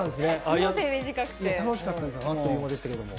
楽しかったですあっという間でしたけども。